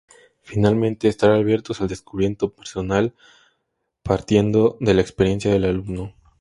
Finalmente, estar abiertos al descubrimiento personal partiendo de la experiencia del alumno.